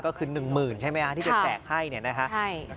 ก็คือ๑๐๐๐๐ใช่ไหมที่จะแจกให้